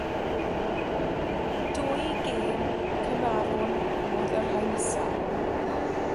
Dwy gêm Cameroon oedd y rhai nesaf.